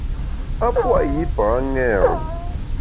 A pua’ yipa ṅêre.